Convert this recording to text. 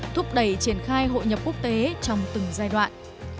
thúc đẩy triển khai hội nhập quốc tế trong từng giai đoạn